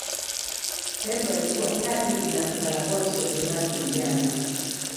Petro alikuwa padri na Valabonso shemasi kijana.